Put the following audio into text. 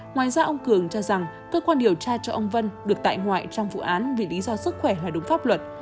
ngoài ra ông cường cho rằng cơ quan điều tra cho ông vân được tại ngoại trong vụ án vì lý do sức khỏe phải đúng pháp luật